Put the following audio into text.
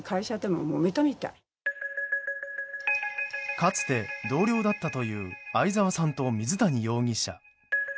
かつて同僚だったという相沢さんと水谷容疑者。